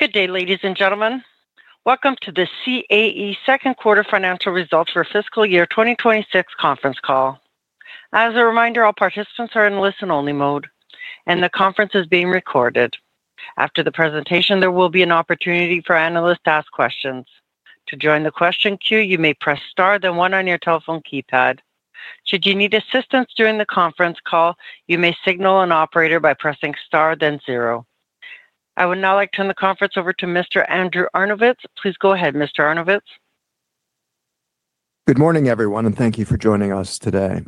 Good day, ladies and gentlemen. Welcome to the CAE second quarter financial results for fiscal year 2026 conference call. As a reminder, all participants are in listen-only mode, and the conference is being recorded. After the presentation, there will be an opportunity for analysts to ask questions. To join the question queue, you may press star, then one on your telephone keypad. Should you need assistance during the conference call, you may signal an operator by pressing star, then zero. I would now like to turn the conference over to Mr. Andrew Arnovitz. Please go ahead, Mr. Arnovitz. Good morning, everyone, and thank you for joining us today.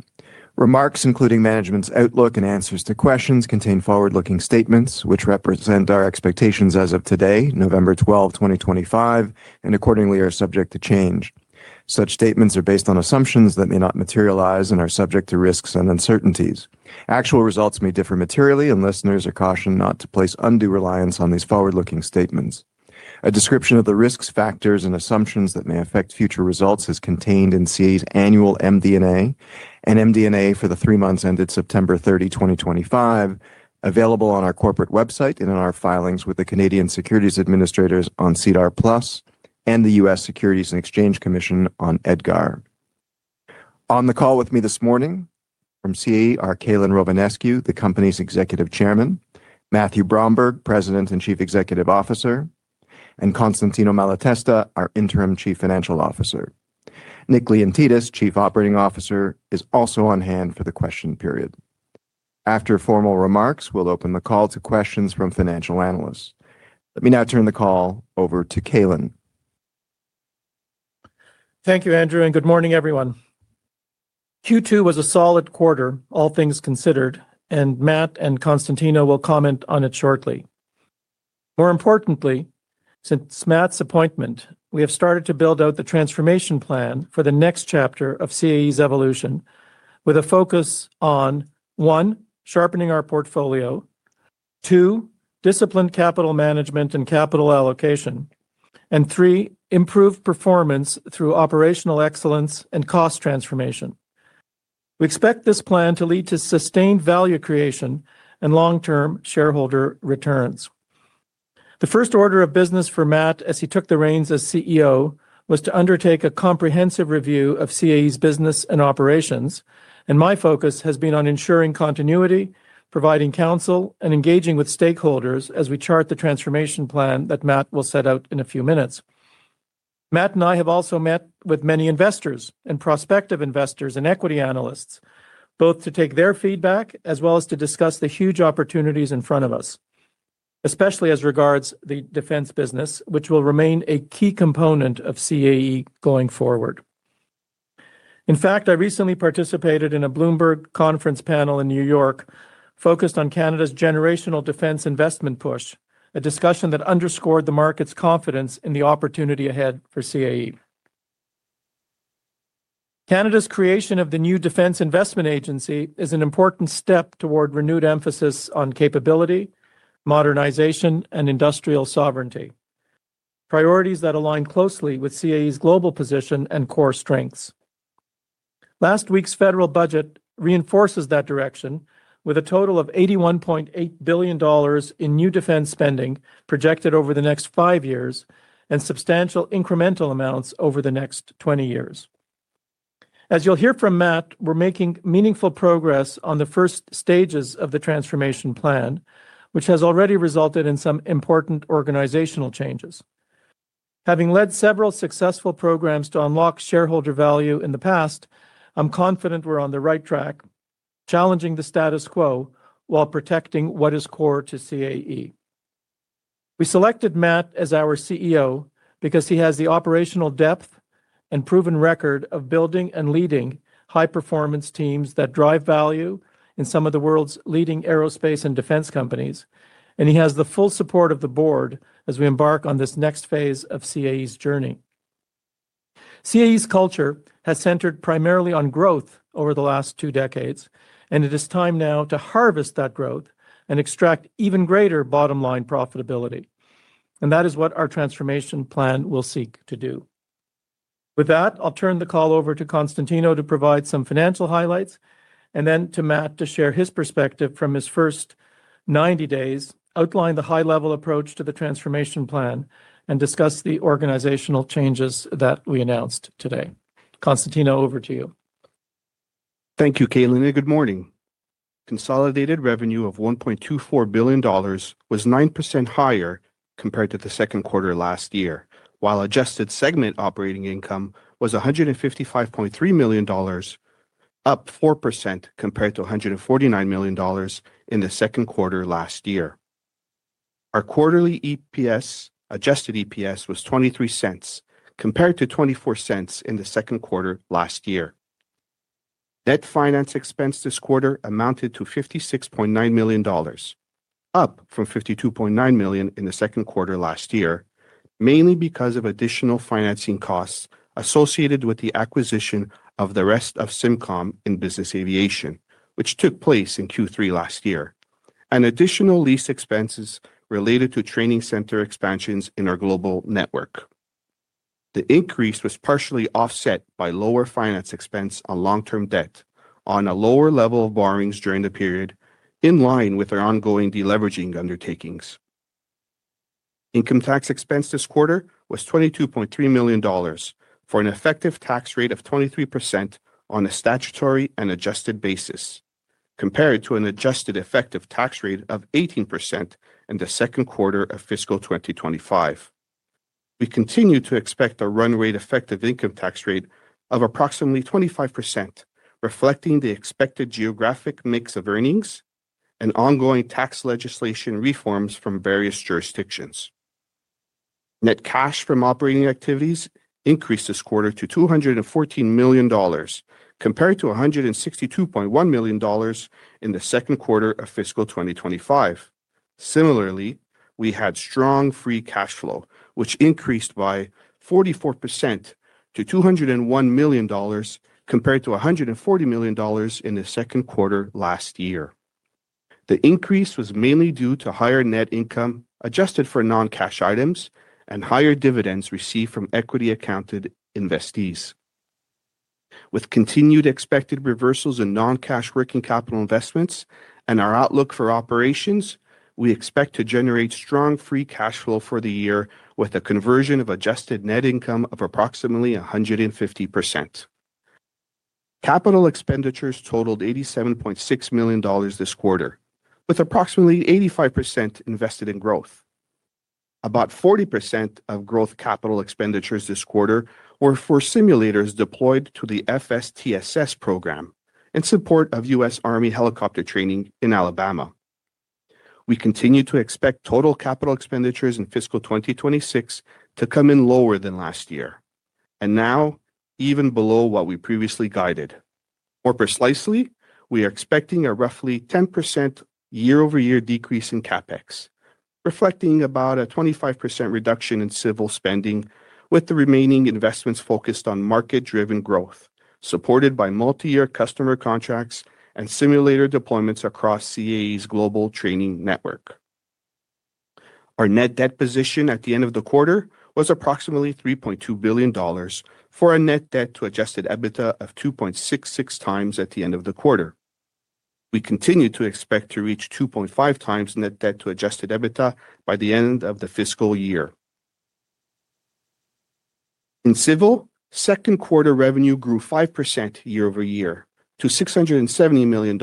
Remarks, including management's outlook and answers to questions, contain forward-looking statements which represent our expectations as of today, November 12, 2025, and accordingly are subject to change. Such statements are based on assumptions that may not materialize and are subject to risks and uncertainties. Actual results may differ materially, and listeners are cautioned not to place undue reliance on these forward-looking statements. A description of the risks, factors, and assumptions that may affect future results is contained in CAE's annual MD&A and MD&A for the three months ended September 30, 2025, available on our corporate website and in our filings with the Canadian Securities Administrators on SEDAR+ and the U.S. Securities and Exchange Commission on EDGAR. On the call with me this morning from CAE are Calin Rovinescu, the company's Executive Chairman, Matthew Bromberg, President and Chief Executive Officer, and Constantino Malatesta, our Interim Chief Financial Officer. Nick Leontidis, Chief Operating Officer, is also on hand for the question period. After formal remarks, we'll open the call to questions from financial analysts. Let me now turn the call over to Calin. Thank you, Andrew, and good morning, everyone. Q2 was a solid quarter, all things considered, and Matt and Constantino will comment on it shortly. More importantly, since Matt's appointment, we have started to build out the transformation plan for the next chapter of CAE's evolution with a focus on: one, sharpening our portfolio; two, disciplined capital management and capital allocation; and three, improved performance through operational excellence and cost transformation. We expect this plan to lead to sustained value creation and long-term shareholder returns. The first order of business for Matt as he took the reins as CEO was to undertake a comprehensive review of CAE's business and operations, and my focus has been on ensuring continuity, providing counsel, and engaging with stakeholders as we chart the transformation plan that Matt will set out in a few minutes. Matt and I have also met with many investors and prospective investors and equity analysts, both to take their feedback as well as to discuss the huge opportunities in front of us, especially as regards the defense business, which will remain a key component of CAE going forward. In fact, I recently participated in a Bloomberg conference panel in New York focused on Canada's generational defense investment push, a discussion that underscored the market's confidence in the opportunity ahead for CAE. Canada's creation of the new Defense Investment Agency is an important step toward renewed emphasis on capability, modernization, and industrial sovereignty, priorities that align closely with CAE's global position and core strengths. Last week's federal budget reinforces that direction with a total of 81.8 billion dollars in new defense spending projected over the next five years and substantial incremental amounts over the next 20 years. As you'll hear from Matt, we're making meaningful progress on the first stages of the transformation plan, which has already resulted in some important organizational changes. Having led several successful programs to unlock shareholder value in the past, I'm confident we're on the right track, challenging the status quo while protecting what is core to CAE. We selected Matt as our CEO because he has the operational depth and proven record of building and leading high-performance teams that drive value in some of the world's leading aerospace and defense companies, and he has the full support of the Board as we embark on this next phase of CAE's journey. CAE's culture has centered primarily on growth over the last two decades, and it is time now to harvest that growth and extract even greater bottom-line profitability, and that is what our transformation plan will seek to do. With that, I'll turn the call over to Constantino to provide some financial highlights and then to Matt to share his perspective from his first 90 days, outline the high-level approach to the transformation plan, and discuss the organizational changes that we announced today. Constantino, over to you. Thank you, Calin, and good morning. Consolidated revenue of $1.24 billion was 9% higher compared to the second quarter last year, while adjusted segment operating income was $155.3 million, up 4% compared to $149 million in the second quarter last year. Our quarterly EPS, adjusted EPS, was $0.23 compared to $0.24 in the second quarter last year. Net finance expense this quarter amounted to $56.9 million, up from $52.9 million in the second quarter last year, mainly because of additional financing costs associated with the acquisition of the rest of Simcom in business aviation, which took place in Q3 last year, and additional lease expenses related to training center expansions in our global network. The increase was partially offset by lower finance expense on long-term debt on a lower level of borrowings during the period, in line with our ongoing deleveraging undertakings. Income tax expense this quarter was $22.3 million for an effective tax rate of 23% on a statutory and adjusted basis, compared to an adjusted effective tax rate of 18% in the second quarter of fiscal 2025. We continue to expect a run rate effective income tax rate of approximately 25%, reflecting the expected geographic mix of earnings and ongoing tax legislation reforms from various jurisdictions. Net cash from operating activities increased this quarter to $214 million, compared to $162.1 million in the second quarter of fiscal 2025. Similarly, we had strong free cash flow, which increased by 44% to $201 million, compared to $140 million in the second quarter last year. The increase was mainly due to higher net income adjusted for non-cash items and higher dividends received from equity-accounted investees. With continued expected reversals in non-cash working capital investments and our outlook for operations, we expect to generate strong free cash flow for the year with a conversion of adjusted net income of approximately 150%. Capital expenditures totaled $87.6 million this quarter, with approximately 85% invested in growth. About 40% of growth capital expenditures this quarter were for simulators deployed to the FSTSS program in support of U.S. Army helicopter training in Alabama. We continue to expect total capital expenditures in fiscal 2026 to come in lower than last year, and now even below what we previously guided. More precisely, we are expecting a roughly 10% year-over-year decrease in CapEx, reflecting about a 25% reduction in civil spending, with the remaining investments focused on market-driven growth, supported by multi-year customer contracts and simulator deployments across CAE's global training network. Our net debt position at the end of the quarter was approximately $3.2 billion for a net debt-to-adjusted EBITDA of 2.66x at the end of the quarter. We continue to expect to reach 2.5x net debt-to-adjusted EBITDA by the end of the fiscal year. In civil, second quarter revenue grew 5% year-over-year to $670 million,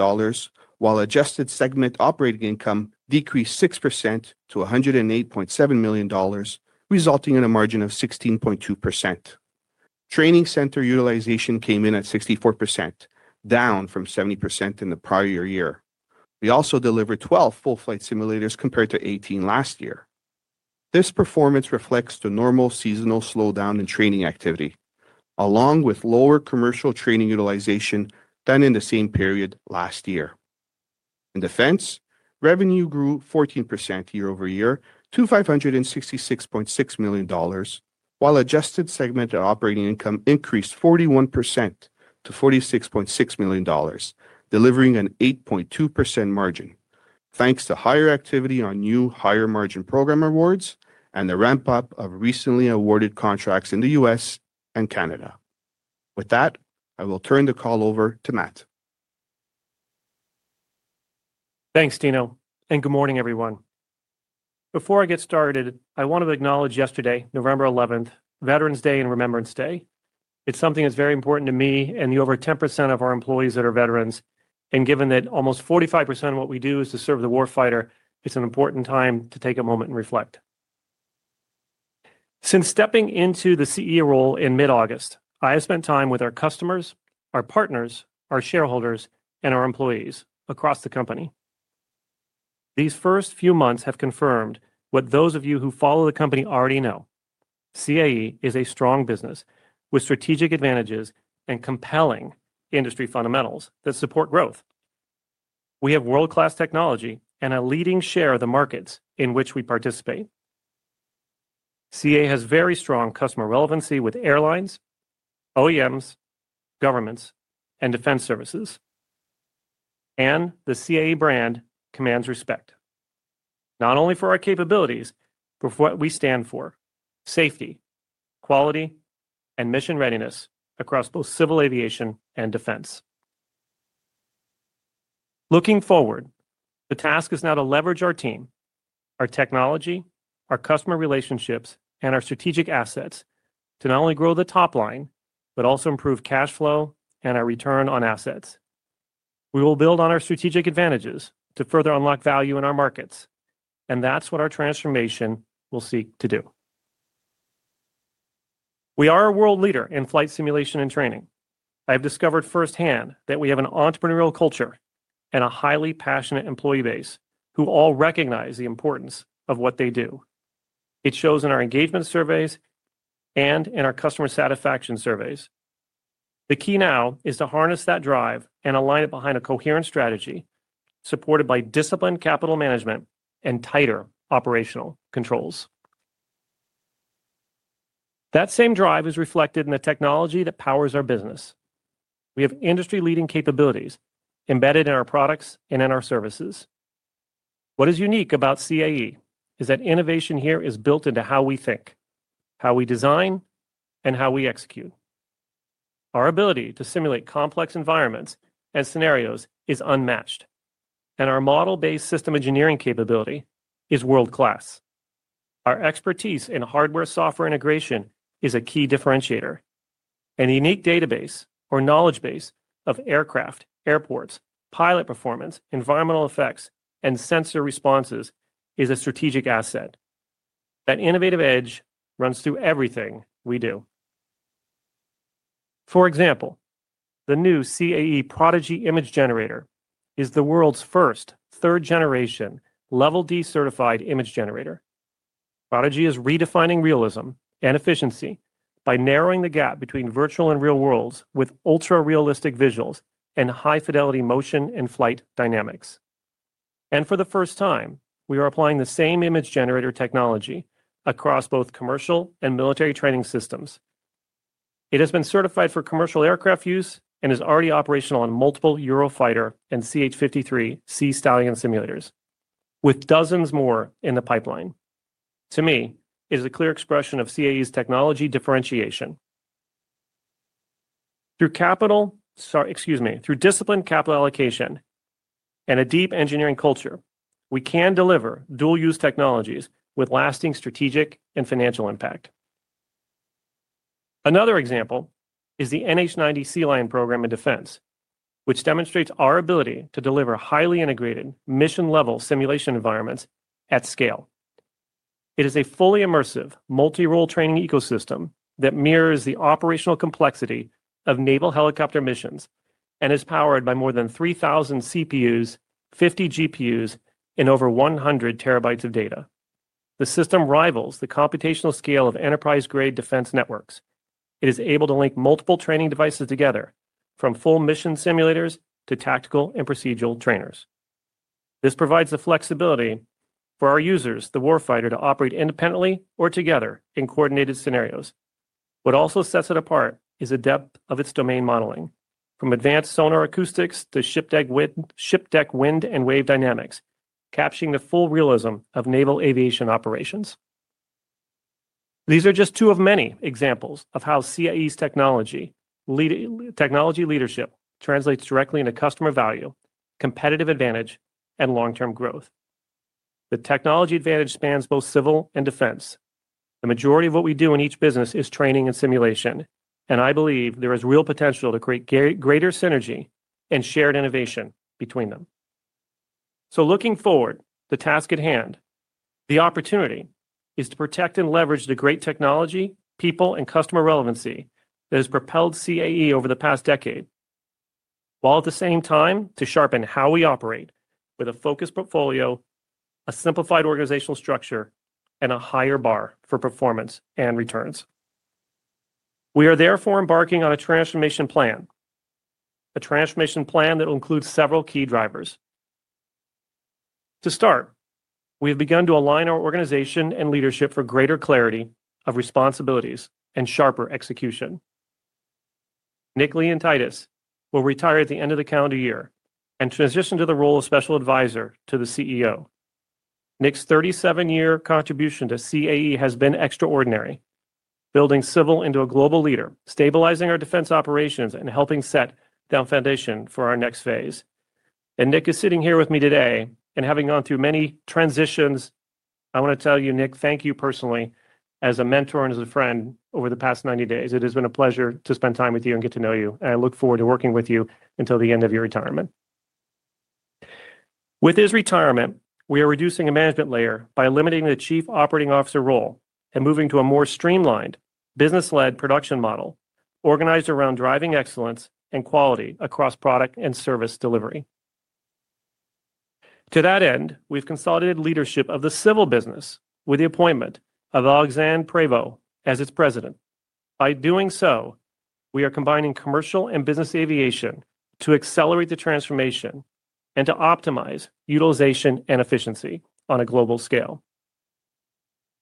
while adjusted segment operating income decreased 6% to $108.7 million, resulting in a margin of 16.2%. Training center utilization came in at 64%, down from 70% in the prior year. We also delivered 12 full-flight simulators compared to 18 last year. This performance reflects the normal seasonal slowdown in training activity, along with lower commercial training utilization than in the same period last year. In defense, revenue grew 14% year-over-year to $566.6 million, while adjusted segmented operating income increased 41% to $46.6 million, delivering an 8.2% margin, thanks to higher activity on new higher-margin program awards and the ramp-up of recently awarded contracts in the U.S. and Canada. With that, I will turn the call over to Matt. Thanks, Constantino, and good morning, everyone. Before I get started, I want to acknowledge yesterday, November 11, Veterans Day and Remembrance Day. It's something that's very important to me and the over 10% of our employees that are veterans. Given that almost 45% of what we do is to serve the warfighter, it's an important time to take a moment and reflect. Since stepping into the CEO role in mid-August, I have spent time with our customers, our partners, our shareholders, and our employees across the company. These first few months have confirmed what those of you who follow the company already know: CAE is a strong business with strategic advantages and compelling industry fundamentals that support growth. We have world-class technology and a leading share of the markets in which we participate. CAE has very strong customer relevancy with airlines, OEMs, governments, and defense services, and the CAE brand commands respect, not only for our capabilities, but for what we stand for: safety, quality, and mission readiness across both civil aviation and defense. Looking forward, the task is now to leverage our team, our technology, our customer relationships, and our strategic assets to not only grow the top line, but also improve cash flow and our return on assets. We will build on our strategic advantages to further unlock value in our markets, and that's what our transformation will seek to do. We are a world leader in flight simulation and training. I have discovered firsthand that we have an entrepreneurial culture and a highly passionate employee base who all recognize the importance of what they do. It shows in our engagement surveys and in our customer satisfaction surveys. The key now is to harness that drive and align it behind a coherent strategy supported by disciplined capital management and tighter operational controls. That same drive is reflected in the technology that powers our business. We have industry-leading capabilities embedded in our products and in our services. What is unique about CAE is that innovation here is built into how we think, how we design, and how we execute. Our ability to simulate complex environments and scenarios is unmatched, and our model-based system engineering capability is world-class. Our expertise in hardware-software integration is a key differentiator, and a unique database or knowledge base of aircraft, airports, pilot performance, environmental effects, and sensor responses is a strategic asset. That innovative edge runs through everything we do. For example, the new CAE Prodigy image generator is the world's first third-generation Level D certified image generator. Prodigy is redefining realism and efficiency by narrowing the gap between virtual and real worlds with ultra-realistic visuals and high-fidelity motion and flight dynamics. For the first time, we are applying the same image generator technology across both commercial and military training systems. It has been certified for commercial aircraft use and is already operational on multiple Eurofighter and CH-53K Stallion simulators, with dozens more in the pipeline. To me, it is a clear expression of CAE's technology differentiation. Through disciplined capital allocation and a deep engineering culture, we can deliver dual-use technologies with lasting strategic and financial impact. Another example is the NH90 Sea Lion program in defense, which demonstrates our ability to deliver highly integrated mission-level simulation environments at scale. It is a fully immersive multi-role training ecosystem that mirrors the operational complexity of naval helicopter missions and is powered by more than 3,000 CPUs, 50 GPUs, and over 100 TB of data. The system rivals the computational scale of enterprise-grade defense networks. It is able to link multiple training devices together, from full mission simulators to tactical and procedural trainers. This provides the flexibility for our users, the warfighter, to operate independently or together in coordinated scenarios. What also sets it apart is the depth of its domain modeling, from advanced sonar acoustics to shipwreck wind and wave dynamics, capturing the full realism of naval aviation operations. These are just two of many examples of how CAE's technology leadership translates directly into customer value, competitive advantage, and long-term growth. The technology advantage spans both civil and defense. The majority of what we do in each business is training and simulation, and I believe there is real potential to create greater synergy and shared innovation between them. Looking forward, the task at hand, the opportunity is to protect and leverage the great technology, people, and customer relevancy that has propelled CAE over the past decade, while at the same time to sharpen how we operate with a focused portfolio, a simplified organizational structure, and a higher bar for performance and returns. We are therefore embarking on a transformation plan, a transformation plan that will include several key drivers. To start, we have begun to align our organization and leadership for greater clarity of responsibilities and sharper execution. Nick Leontidis will retire at the end of the calendar year and transition to the role of special advisor to the CEO. Nick's 37-year contribution to CAE has been extraordinary, building civil into a global leader, stabilizing our defense operations, and helping set down foundation for our next phase. Nick is sitting here with me today and having gone through many transitions. I want to tell you, Nick, thank you personally as a mentor and as a friend over the past 90 days. It has been a pleasure to spend time with you and get to know you, and I look forward to working with you until the end of your retirement. With his retirement, we are reducing a management layer by eliminating the Chief Operating Officer role and moving to a more streamlined, business-led production model organized around driving excellence and quality across product and service delivery. To that end, we've consolidated leadership of the civil business with the appointment of Alexandre Prevost as its president. By doing so, we are combining commercial and business aviation to accelerate the transformation and to optimize utilization and efficiency on a global scale.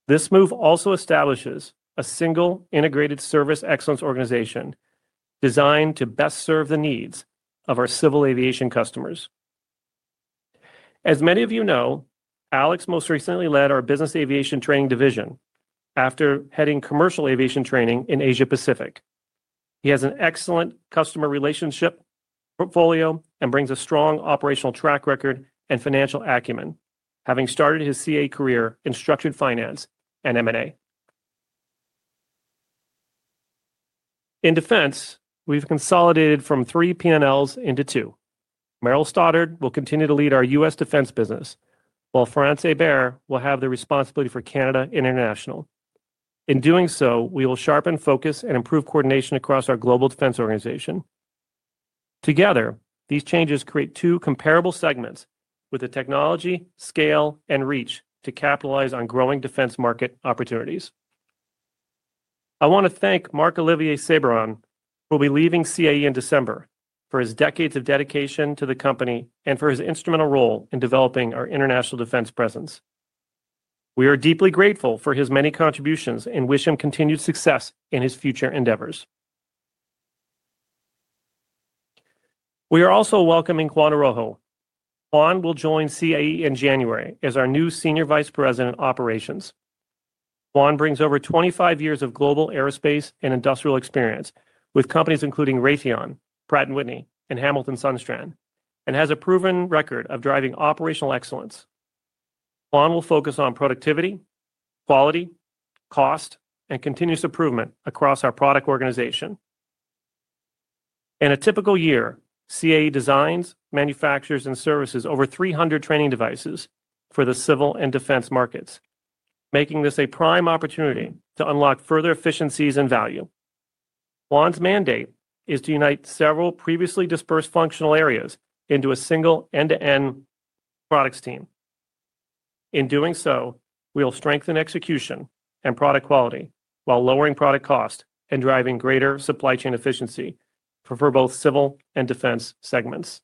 This move also establishes a single integrated service excellence organization designed to best serve the needs of our civil aviation customers. As many of you know, Alex most recently led our business aviation training division after heading commercial aviation training in Asia-Pacific. He has an excellent customer relationship portfolio and brings a strong operational track record and financial acumen, having started his CAE career in structured finance and M&A. In defense, we have consolidated from three P&Ls into two. Merrill Stoddard will continue to lead our U.S. defense business, while France Hébert will have the responsibility for Canada International. In doing so, we will sharpen focus and improve coordination across our global defense organization. Together, these changes create two comparable segments with the technology, scale, and reach to capitalize on growing defense market opportunities. I want to thank Marc-Olivier Sabourin, who will be leaving CAE in December, for his decades of dedication to the company and for his instrumental role in developing our international defense presence. We are deeply grateful for his many contributions and wish him continued success in his future endeavors. We are also welcoming Juan Araujo. Juan will join CAE in January as our new Senior Vice President of Operations. Juan brings over 25 years of global aerospace and industrial experience with companies including Raytheon, Pratt & Whitney, and Hamilton Sundstrand, and has a proven record of driving operational excellence. Juan will focus on productivity, quality, cost, and continuous improvement across our product organization. In a typical year, CAE designs, manufactures, and services over 300 training devices for the civil and defense markets, making this a prime opportunity to unlock further efficiencies and value. Juan's mandate is to unite several previously dispersed functional areas into a single end-to-end products team. In doing so, we will strengthen execution and product quality while lowering product cost and driving greater supply chain efficiency for both civil and defense segments.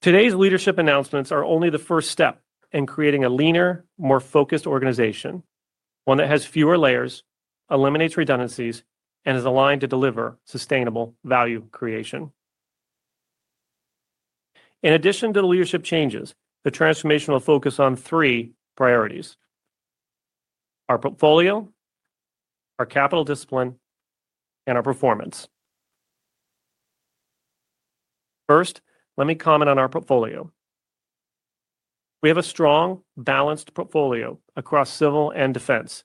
Today's leadership announcements are only the first step in creating a leaner, more focused organization, one that has fewer layers, eliminates redundancies, and is aligned to deliver sustainable value creation. In addition to the leadership changes, the transformation will focus on three priorities: our portfolio, our capital discipline, and our performance. First, let me comment on our portfolio. We have a strong, balanced portfolio across civil and defense,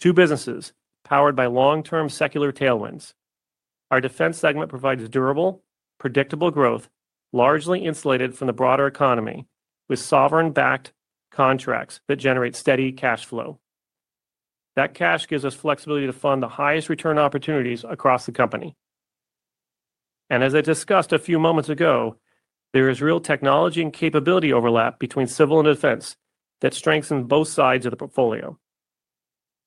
two businesses powered by long-term secular tailwinds. Our defense segment provides durable, predictable growth, largely insulated from the broader economy with sovereign-backed contracts that generate steady cash flow. That cash gives us flexibility to fund the highest return opportunities across the company. As I discussed a few moments ago, there is real technology and capability overlap between civil and defense that strengthens both sides of the portfolio.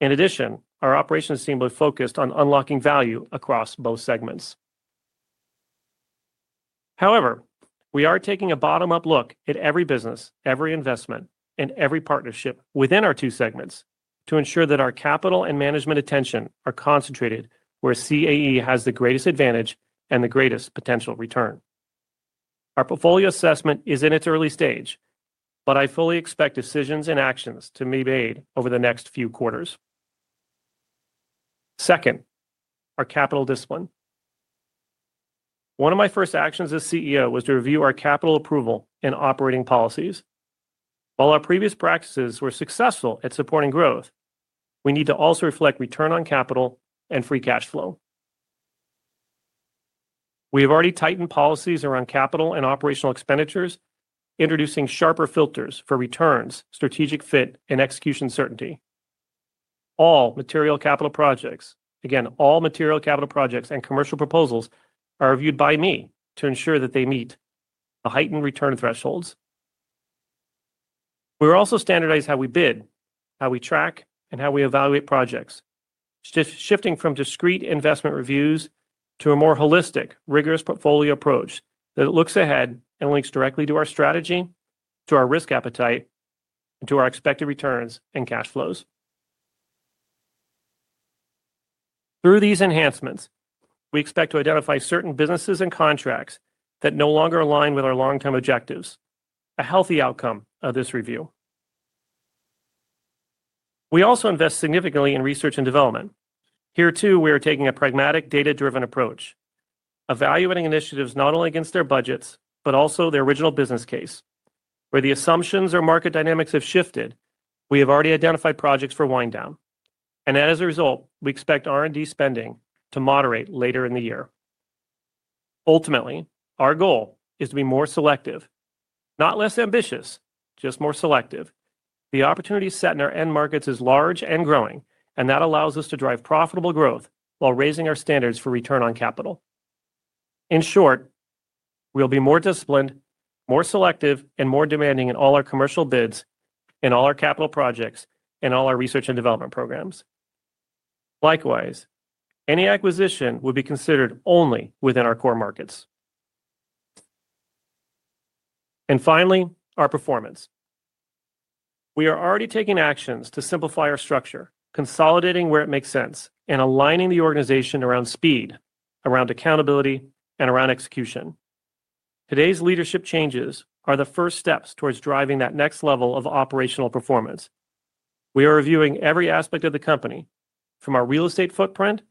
In addition, our operations team will focus on unlocking value across both segments. However, we are taking a bottom-up look at every business, every investment, and every partnership within our two segments to ensure that our capital and management attention are concentrated where CAE has the greatest advantage and the greatest potential return. Our portfolio assessment is in its early stage, but I fully expect decisions and actions to be made over the next few quarters. Second, our capital discipline. One of my first actions as CEO was to review our capital approval and operating policies. While our previous practices were successful at supporting growth, we need to also reflect return on capital and free cash flow. We have already tightened policies around capital and operational expenditures, introducing sharper filters for returns, strategic fit, and execution certainty. All material capital projects, again, all material capital projects and commercial proposals are reviewed by me to ensure that they meet the heightened return thresholds. We have also standardized how we bid, how we track, and how we evaluate projects, shifting from discrete investment reviews to a more holistic, rigorous portfolio approach that looks ahead and links directly to our strategy, to our risk appetite, and to our expected returns and cash flows. Through these enhancements, we expect to identify certain businesses and contracts that no longer align with our long-term objectives, a healthy outcome of this review. We also invest significantly in research and development. Here too, we are taking a pragmatic, data-driven approach, evaluating initiatives not only against their budgets but also their original business case. Where the assumptions or market dynamics have shifted, we have already identified projects for wind down. As a result, we expect R&D spending to moderate later in the year. Ultimately, our goal is to be more selective, not less ambitious, just more selective. The opportunity set in our end markets is large and growing, and that allows us to drive profitable growth while raising our standards for return on capital. In short, we'll be more disciplined, more selective, and more demanding in all our commercial bids, in all our capital projects, and all our research and development programs. Likewise, any acquisition will be considered only within our core markets. Finally, our performance. We are already taking actions to simplify our structure, consolidating where it makes sense, and aligning the organization around speed, around accountability, and around execution. Today's leadership changes are the first steps towards driving that next level of operational performance. We are reviewing every aspect of the company, from our real estate footprint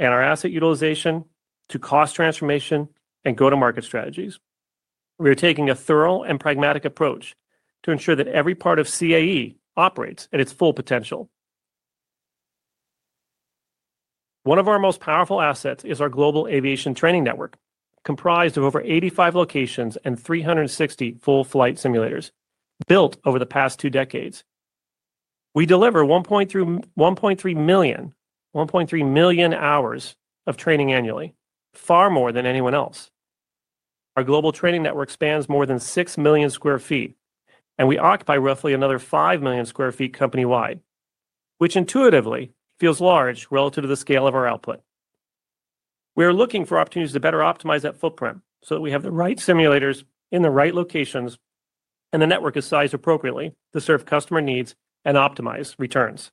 and our asset utilization to cost transformation and go-to-market strategies. We are taking a thorough and pragmatic approach to ensure that every part of CAE operates at its full potential. One of our most powerful assets is our global aviation training network, comprised of over 85 locations and 360 full-flight simulators, built over the past two decades. We deliver 1.3 million hours of training annually, far more than anyone else. Our global training network spans more than 6 million sq ft, and we occupy roughly another 5 million sq ft company-wide, which intuitively feels large relative to the scale of our output. We are looking for opportunities to better optimize that footprint so that we have the right simulators in the right locations and the network is sized appropriately to serve customer needs and optimize returns.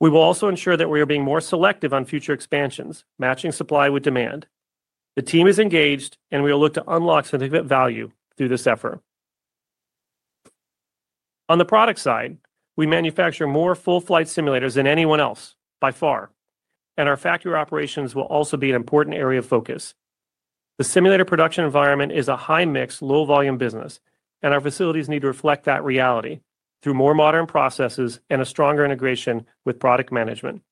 We will also ensure that we are being more selective on future expansions, matching supply with demand. The team is engaged, and we will look to unlock significant value through this effort. On the product side, we manufacture more full-flight simulators than anyone else by far, and our factory operations will also be an important area of focus. The simulator production environment is a high-mix, low-volume business, and our facilities need to reflect that reality through more modern processes and a stronger integration with product management.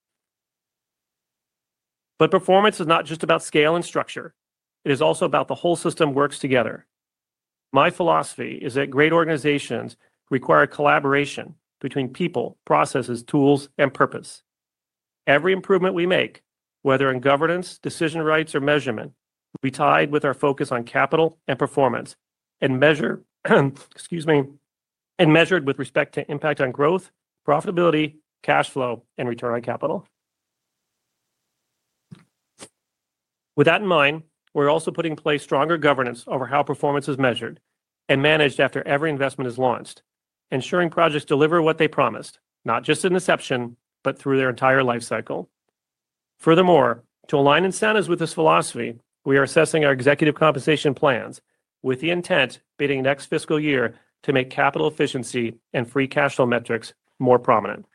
Performance is not just about scale and structure. It is also about the whole system works together. My philosophy is that great organizations require collaboration between people, processes, tools, and purpose. Every improvement we make, whether in governance, decision rights, or measurement, will be tied with our focus on capital and performance and measured with respect to impact on growth, profitability, cash flow, and return on capital. With that in mind, we're also putting in place stronger governance over how performance is measured and managed after every investment is launched, ensuring projects deliver what they promised, not just in inception, but through their entire life cycle. Furthermore, to align incentives with this philosophy, we are assessing our executive compensation plans with the intent beginning next fiscal year to make capital efficiency and free cash flow metrics more prominent.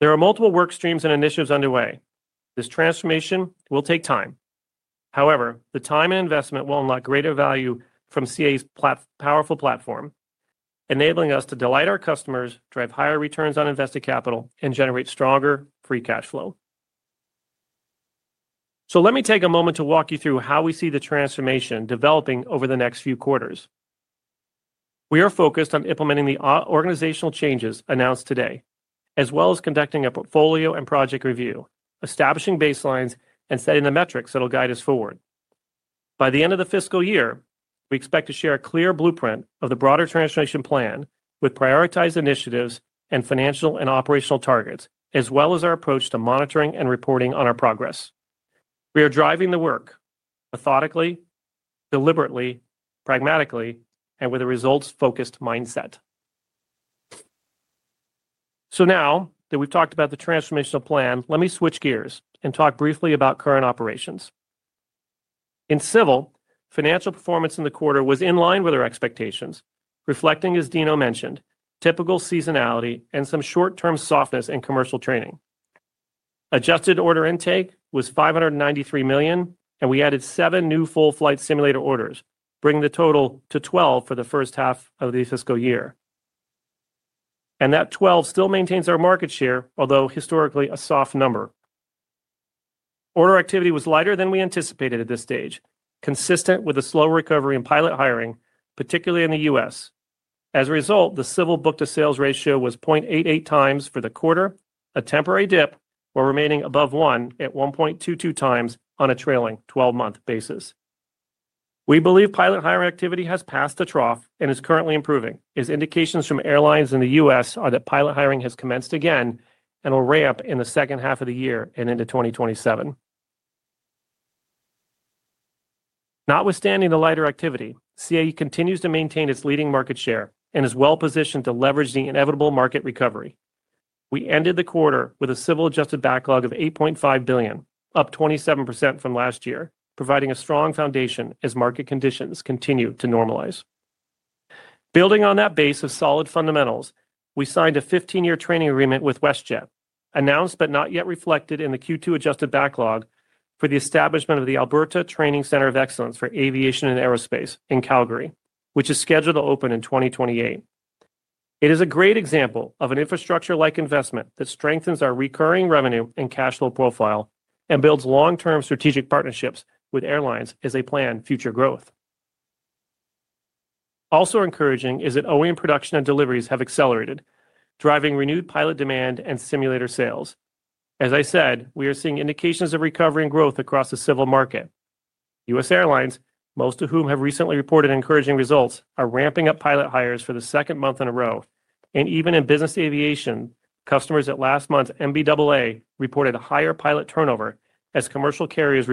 There are multiple work streams and initiatives underway. This transformation will take time. However, the time and investment will unlock greater value from CAE's powerful platform, enabling us to delight our customers, drive higher returns on invested capital, and generate stronger free cash flow. Let me take a moment to walk you through how we see the transformation developing over the next few quarters. We are focused on implementing the organizational changes announced today, as well as conducting a portfolio and project review, establishing baselines, and setting the metrics that will guide us forward. By the end of the fiscal year, we expect to share a clear blueprint of the broader transformation plan with prioritized initiatives and financial and operational targets, as well as our approach to monitoring and reporting on our progress. We are driving the work methodically, deliberately, pragmatically, and with a results-focused mindset. Now that we've talked about the transformational plan, let me switch gears and talk briefly about current operations. In civil, financial performance in the quarter was in line with our expectations, reflecting, as Constantino mentioned, typical seasonality and some short-term softness in commercial training. Adjusted order intake was $593 million, and we added seven new full-flight simulator orders, bringing the total to 12 for the first half of the fiscal year. That 12 still maintains our market share, although historically a soft number. Order activity was lighter than we anticipated at this stage, consistent with the slow recovery in pilot hiring, particularly in the U.S. As a result, the civil book-to-sales ratio was 0.88x for the quarter, a temporary dip, while remaining above 1 at 1.22x on a trailing 12-month basis. We believe pilot hiring activity has passed the trough and is currently improving, as indications from airlines in the U.S. are that pilot hiring has commenced again and will ramp in the second half of the year and into 2027. Notwithstanding the lighter activity, CAE continues to maintain its leading market share and is well-positioned to leverage the inevitable market recovery. We ended the quarter with a civil adjusted backlog of $8.5 billion, up 27% from last year, providing a strong foundation as market conditions continue to normalize. Building on that base of solid fundamentals, we signed a 15-year training agreement with WestJet, announced but not yet reflected in the Q2 adjusted backlog for the establishment of the Alberta Training Center of Excellence for Aviation and Aerospace in Calgary, which is scheduled to open in 2028. It is a great example of an infrastructure-like investment that strengthens our recurring revenue and cash flow profile and builds long-term strategic partnerships with airlines as they plan future growth. Also encouraging is that OEM production and deliveries have accelerated, driving renewed pilot demand and simulator sales. As I said, we are seeing indications of recovery and growth across the civil market. U.S. airlines, most of whom have recently reported encouraging results, are ramping up pilot hires for the second month in a row. Even in business aviation, customers at last month's NBAA reported a higher pilot turnover as commercial carriers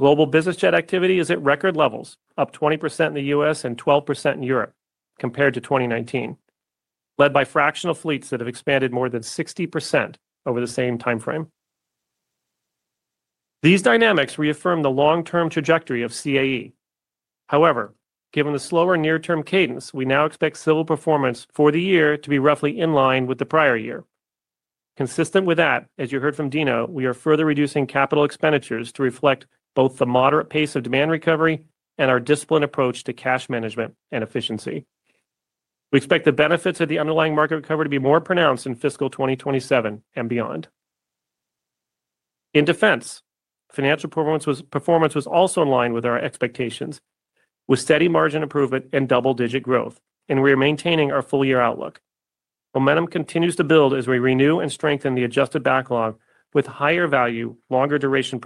resume recruitment. Global business jet activity is at record levels, up 20% in the U.S. and 12% in Europe compared to 2019, led by fractional fleets that have expanded more than 60% over the same timeframe. These dynamics reaffirm the long-term trajectory of CAE. However, given the slower near-term cadence, we now expect civil performance for the year to be roughly in line with the prior year. Consistent with that, as you heard from Constantino, we are further reducing capital expenditures to reflect both the moderate pace of demand recovery and our disciplined approach to cash management and efficiency. We expect the benefits of the underlying market recovery to be more pronounced in fiscal 2027 and beyond. In defense, financial performance was also in line with our expectations, with steady margin improvement and double-digit growth, and we are maintaining our full-year outlook. Momentum continues to build as we renew and strengthen the adjusted backlog with higher-value, longer-duration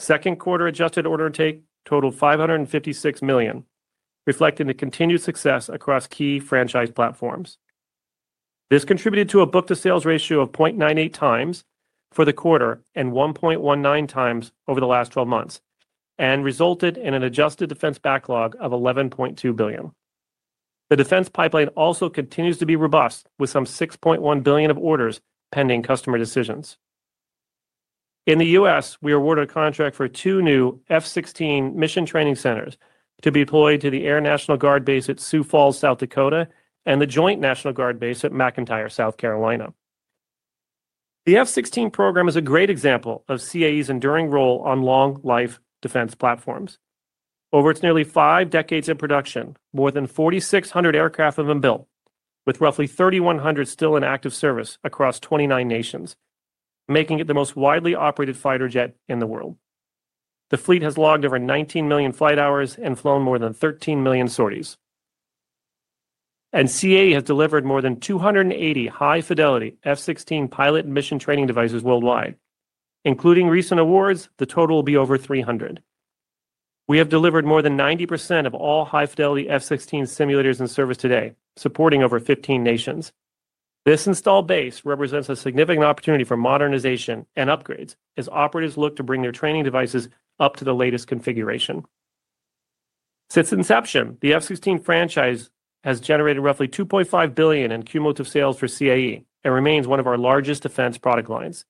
programs. Second quarter adjusted order intake totaled $556 million, reflecting the continued success across key franchise platforms. This contributed to a book-to-sales ratio of 0.98x for the quarter and 1.19x over the last 12 months, and resulted in an adjusted defense backlog of $11.2 billion. The defense pipeline also continues to be robust, with some $6.1 billion of orders pending customer decisions. In the U.S., we awarded a contract for two new F-16 mission training centers to be deployed to the Air National Guard Base at Sioux Falls, South Dakota, and the Joint National Guard Base at McEntire, South Carolina. The F-16 program is a great example of CAE's enduring role on long-life defense platforms. Over its nearly five decades of production, more than 4,600 aircraft have been built, with roughly 3,100 still in active service across 29 nations, making it the most widely operated fighter jet in the world. The fleet has logged over 19 million flight hours and flown more than 13 million sorties. CAE has delivered more than 280 high-fidelity F-16 pilot and mission training devices worldwide. Including recent awards, the total will be over 300. We have delivered more than 90% of all high-fidelity F-16 simulators in service today, supporting over 15 nations. This installed base represents a significant opportunity for modernization and upgrades as operatives look to bring their training devices up to the latest configuration. Since inception, the F-16 franchise has generated roughly $2.5 billion in cumulative sales for CAE and remains one of our largest defense product lines.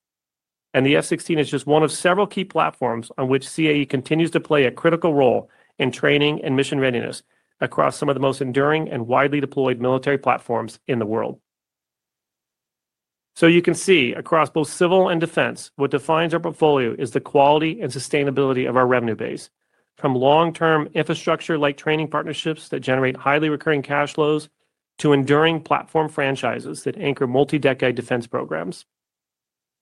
The F-16 is just one of several key platforms on which CAE continues to play a critical role in training and mission readiness across some of the most enduring and widely deployed military platforms in the world. You can see, across both civil and defense, what defines our portfolio is the quality and sustainability of our revenue base, from long-term infrastructure-like training partnerships that generate highly recurring cash flows to enduring platform franchises that anchor multi-decade defense programs.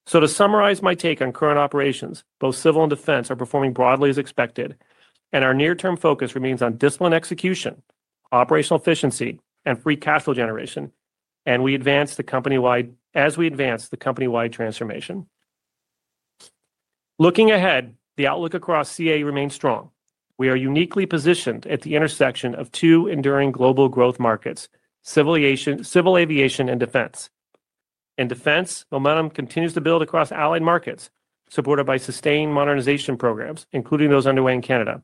To summarize my take on current operations, both civil and defense are performing broadly as expected, and our near-term focus remains on disciplined execution, operational efficiency, and free cash flow generation, as we advance the company-wide transformation. Looking ahead, the outlook across CAE remains strong. We are uniquely positioned at the intersection of two enduring global growth markets, civil aviation and defense. In defense, momentum continues to build across allied markets, supported by sustained modernization programs, including those underway in Canada.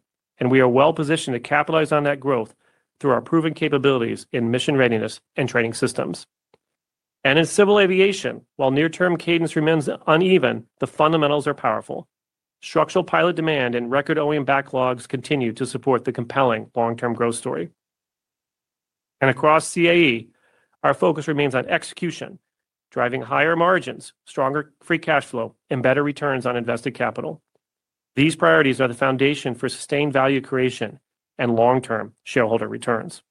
We are well-positioned to capitalize on that growth through our proven capabilities in mission readiness and training systems. In civil aviation, while near-term cadence remains uneven, the fundamentals are powerful. Structural pilot demand and record OEM backlogs continue to support the compelling long-term growth story. Across CAE, our focus remains on execution, driving higher margins, stronger free cash flow, and better returns on invested capital. These priorities are the foundation for sustained value creation and long-term shareholder returns.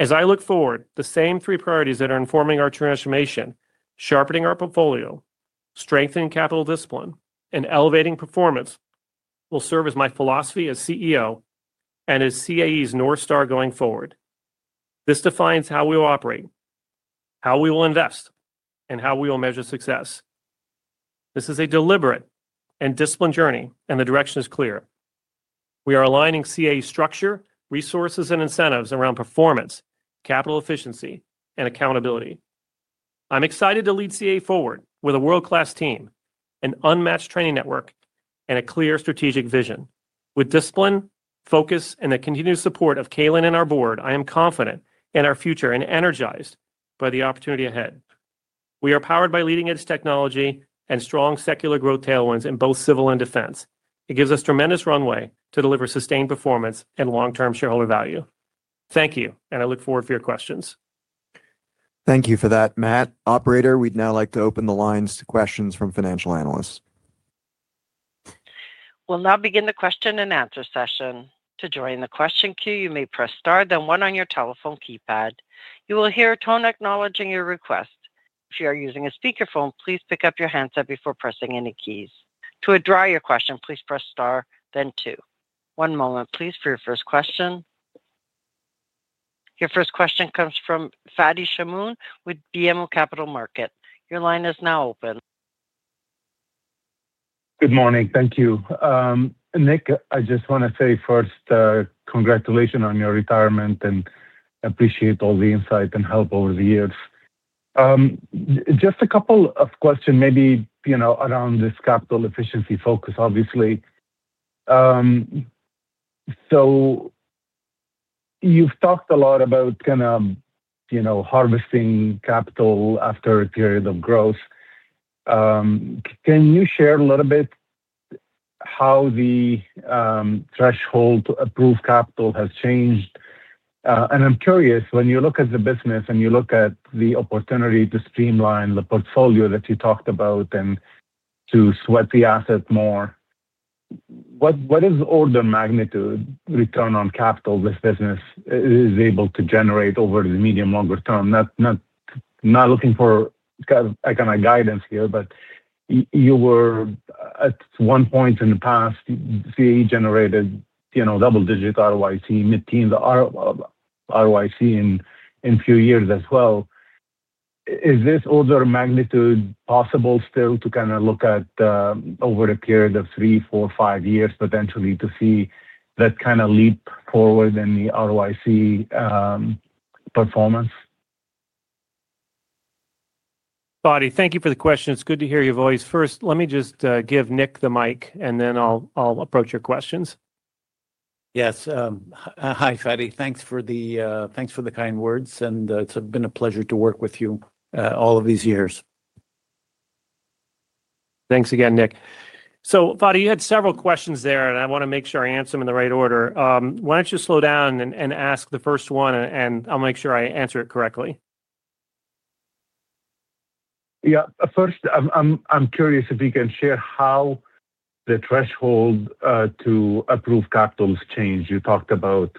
As I look forward, the same three priorities that are informing our transformation, sharpening our portfolio, strengthening capital discipline, and elevating performance will serve as my philosophy as CEO and as CAE's North Star going forward. This defines how we will operate, how we will invest, and how we will measure success. This is a deliberate and disciplined journey, and the direction is clear. We are aligning CAE structure, resources, and incentives around performance, capital efficiency, and accountability. I'm excited to lead CAE forward with a world-class team, an unmatched training network, and a clear strategic vision. With discipline, focus, and the continued support of Calin and our Board, I am confident in our future and energized by the opportunity ahead. We are powered by leading-edge technology and strong secular growth tailwinds in both civil and defense. It gives us tremendous runway to deliver sustained performance and long-term shareholder value. Thank you, and I look forward to your questions. Thank you for that, Matt. Operator, we'd now like to open the lines to questions from financial analysts. We'll now begin the question-and-answer session. To join the question queue, you may press star, then one on your telephone keypad. You will hear a tone acknowledging your request. If you are using a speakerphone, please pick up your handset before pressing any keys. To withdraw your question, please press star, then two. One moment, please, for your first question. Your first question comes from Fadi Chamoun with BMO Capital Markets. Your line is now open. Good morning. Thank you. Nick, I just want to say first, congratulations on your retirement and appreciate all the insight and help over the years. Just a couple of questions, maybe around this capital efficiency focus, obviously. You have talked a lot about kind of harvesting capital after a period of growth. Can you share a little bit how the threshold to approve capital has changed? I am curious, when you look at the business and you look at the opportunity to streamline the portfolio that you talked about and to sweat the asset more, what is order of magnitude return on capital this business is able to generate over the medium-longer term? Not looking for a kind of guidance here, but you were, at one point in the past, CAE generated double-digit ROIC, mid-teen ROIC in a few years as well. Is this order of magnitude possible still to kind of look at over a period of three, four, five years, potentially, to see that kind of leap forward in the ROIC performance? Fadi, thank you for the question. It's good to hear your voice. First, let me just give Nick the mic, and then I'll approach your questions. Yes. Hi, Fadi. Thanks for the kind words, and it's been a pleasure to work with you all of these years. Thanks again, Nick. Fadi, you had several questions there, and I want to make sure I answer them in the right order. Why don't you slow down and ask the first one, and I'll make sure I answer it correctly. Yeah. First, I'm curious if you can share how the threshold to approve capital has changed. You talked about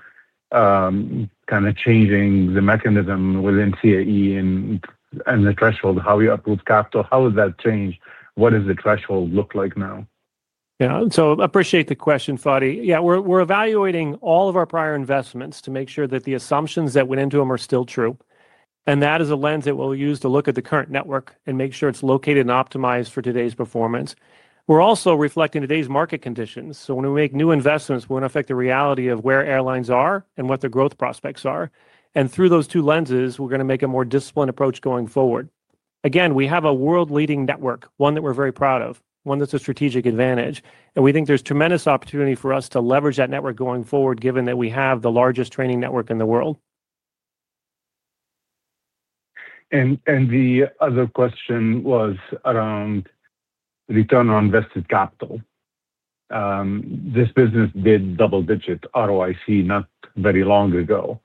kind of changing the mechanism within CAE and the threshold, how you approve capital. How has that changed? What does the threshold look like now? Yeah. I appreciate the question, Fadi. Yeah. We're evaluating all of our prior investments to make sure that the assumptions that went into them are still true. That is a lens that we'll use to look at the current network and make sure it's located and optimized for today's performance. We're also reflecting today's market conditions. When we make new investments, we're going to affect the reality of where airlines are and what their growth prospects are. Through those two lenses, we're going to make a more disciplined approach going forward. We have a world-leading network, one that we're very proud of, one that's a strategic advantage. We think there's tremendous opportunity for us to leverage that network going forward, given that we have the largest training network in the world. The other question was around return on invested capital. This business did double-digit ROIC not very long ago.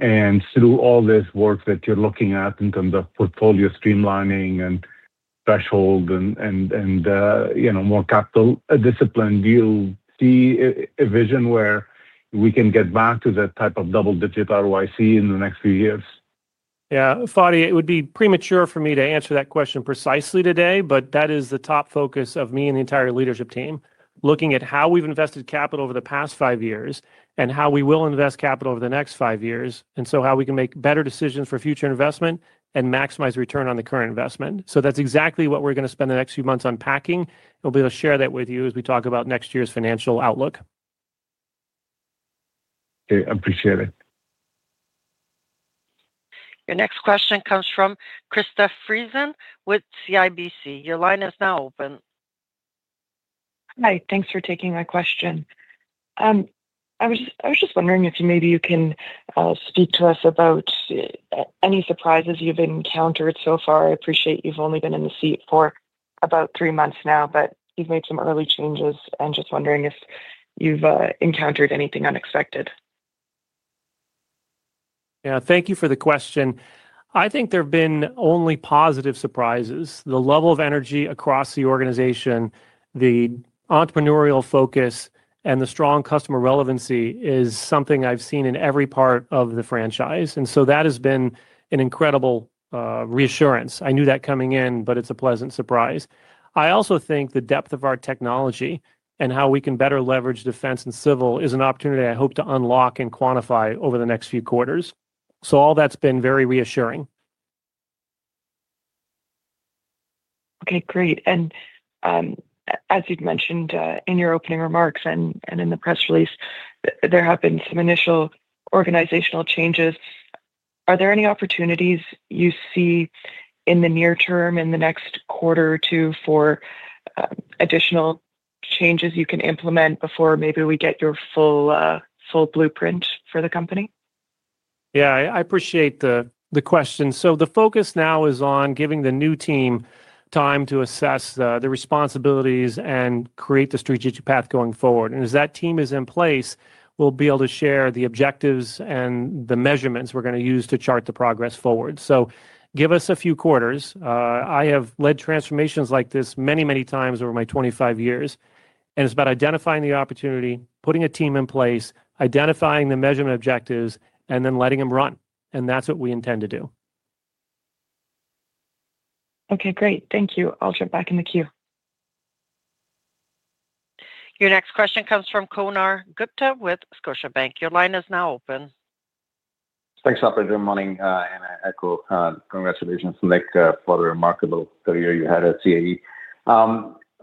Through all this work that you're looking at in terms of portfolio streamlining and threshold and more capital discipline, do you see a vision where we can get back to that type of double-digit ROIC in the next few years? Yeah. Fadi, it would be premature for me to answer that question precisely today, but that is the top focus of me and the entire leadership team, looking at how we've invested capital over the past five years and how we will invest capital over the next five years, and how we can make better decisions for future investment and maximize return on the current investment. That's exactly what we're going to spend the next few months unpacking. We'll be able to share that with you as we talk about next year's financial outlook. Okay. Appreciate it. Your next question comes from Krista Friesen with CIBC. Your line is now open. Hi. Thanks for taking my question. I was just wondering if maybe you can speak to us about any surprises you've encountered so far. I appreciate you've only been in the seat for about three months now, but you've made some early changes. I'm just wondering if you've encountered anything unexpected. Yeah. Thank you for the question. I think there have been only positive surprises. The level of energy across the organization, the entrepreneurial focus, and the strong customer relevancy is something I've seen in every part of the franchise. That has been an incredible reassurance. I knew that coming in, but it's a pleasant surprise. I also think the depth of our technology and how we can better leverage defense and civil is an opportunity I hope to unlock and quantify over the next few quarters. All that's been very reassuring. Okay. Great. As you mentioned in your opening remarks and in the press release, there have been some initial organizational changes. Are there any opportunities you see in the near term, in the next quarter or two, for additional changes you can implement before maybe we get your full blueprint for the company? Yeah. I appreciate the question. The focus now is on giving the new team time to assess the responsibilities and create the strategic path going forward. As that team is in place, we'll be able to share the objectives and the measurements we're going to use to chart the progress forward. Give us a few quarters. I have led transformations like this many, many times over my 25 years. It's about identifying the opportunity, putting a team in place, identifying the measurement objectives, and then letting them run. That's what we intend to do. Okay. Great. Thank you. I'll jump back in the queue. Your next question comes from Konark Gupta with Scotiabank. Your line is now open. Thanks, Operator. Good morning. I echo congratulations, Nick, for the remarkable career you had at CAE.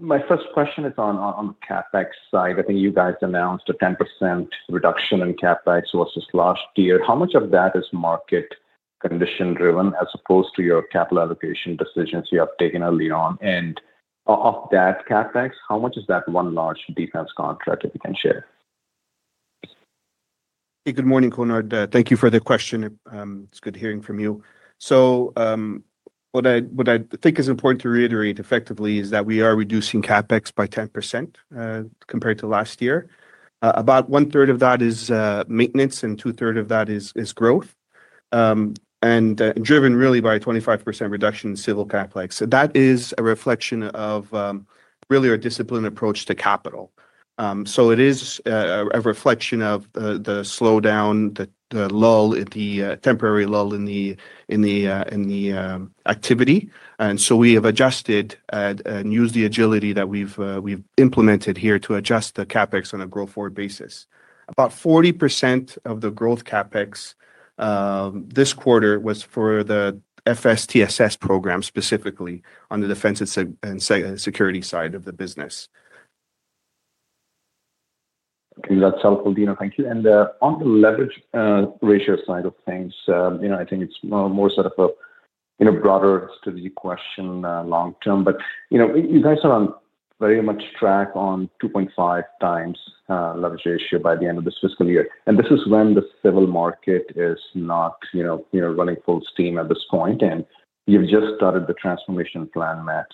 My first question is on the CapEx side. I think you guys announced a 10% reduction in CapEx just last year. How much of that is market condition-driven as opposed to your capital allocation decisions you have taken early on? And of that CapEx, how much is that one large defense contract, if you can share? Hey, good morning, Konark. Thank you for the question. It's good hearing from you. What I think is important to reiterate effectively is that we are reducing CapEx by 10% compared to last year. About 1/3 of that is maintenance, and 2/3 of that is growth, and driven really by a 25% reduction in civil CapEx. That is a reflection of really our disciplined approach to capital. It is a reflection of the slowdown, the temporary lull in the activity. We have adjusted and used the agility that we've implemented here to adjust the CapEx on a growth-forward basis. About 40% of the growth CapEx this quarter was for the FSTSS program specifically on the defense and security side of the business. Okay. That's helpful, Constantino. Thank you. On the leverage ratio side of things, I think it's more sort of a broader strategic question long-term. You guys are on very much track on 2.5x leverage ratio by the end of this fiscal year. This is when the civil market is not running full steam at this point. You have just started the transformation plan, Matt.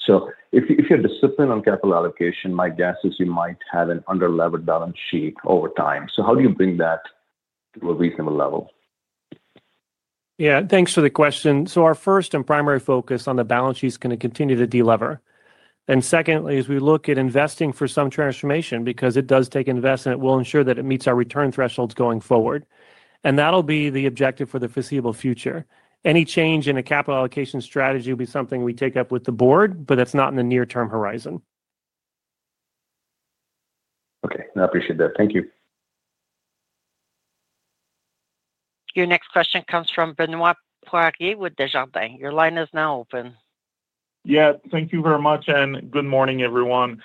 If you are disciplined on capital allocation, my guess is you might have an under-levered balance sheet over time. How do you bring that to a reasonable level? Yeah. Thanks for the question. Our first and primary focus on the balance sheet is going to continue to de-lever. Secondly, as we look at investing for some transformation, because it does take investment, it will ensure that it meets our return thresholds going forward. That will be the objective for the foreseeable future. Any change in a capital allocation strategy will be something we take up with the Board, but that is not in the near-term horizon. Okay. I appreciate that. Thank you. Your next question comes from Benoit Poirier with Desjardins. Your line is now open. Yeah. Thank you very much. And good morning, everyone.